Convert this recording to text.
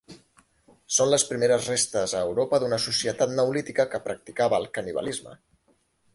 Són les primeres restes a Europa d'una societat neolítica que practicava el canibalisme.